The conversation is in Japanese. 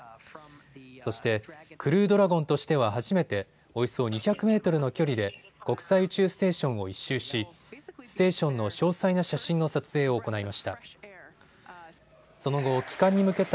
そして、クルードラゴンとしては初めておよそ２００メートルの距離で国際宇宙ステーションを１周しステーションの詳細な写真の撮影を行いました。